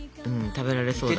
食べられそうだね。